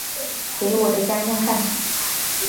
回我的家乡看看